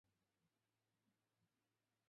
ভদ্রলোক অবলীলায় অন্য একটি প্রসঙ্গ টেনে এনেছেন।